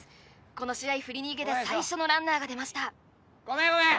この試合振り逃げで最初のランナーが出ましたごめんごめん！